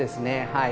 はい。